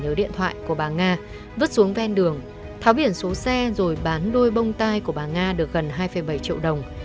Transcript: nhớ điện thoại của bà nga vứt xuống ven đường tháo biển số xe rồi bán đôi bông tai của bà nga được gần hai bảy triệu đồng